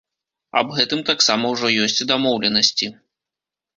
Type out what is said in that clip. Аб гэтым таксама ўжо ёсць дамоўленасці.